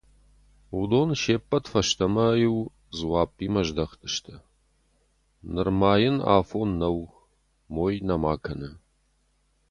Уыдон се ʼппӕт фӕстӕмӕ-иу дзуаппимӕ здӕхтысты: «Нырма йын афон нӕу, мой нӕма кӕны».